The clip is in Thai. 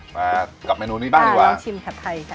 มากลับเมนูนี้บ้างดีกว่าลองชิมครับไทย